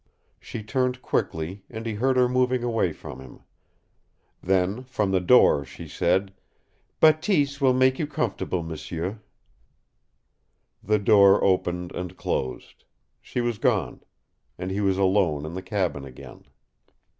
She turned quickly, and he heard her moving away from him. Then, from the door, she said, "Bateese will make you comfortable, m'sieu." The door opened and closed. She was gone. And he was alone in the cabin again.